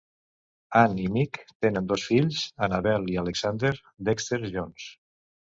Ann i Mick tenen dos fills, Annabelle i Alexander Dexter-Jones.